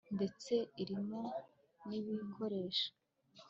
ndetse irimo nibikoresho